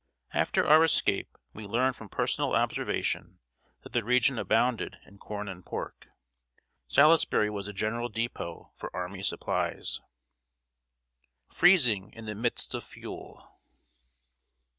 After our escape, we learned from personal observation that the region abounded in corn and pork. Salisbury was a general dépôt for army supplies. [Sidenote: FREEZING IN THE MIDST OF FUEL.